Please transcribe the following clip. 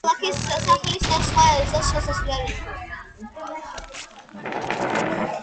ქალაქის, სასახლის და და სხვა საზეიმო შესასვლელი.